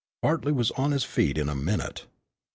Bartley was on his feet in a minute.